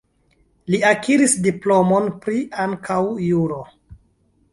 Li akiris diplomon pri ankaŭ juro.